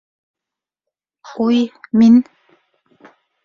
Уй, мин..